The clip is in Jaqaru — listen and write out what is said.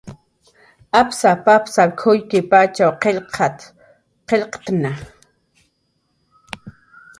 "Apsap"" apsap kushukkipatx qillqt' yatxkna"